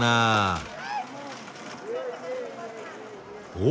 お？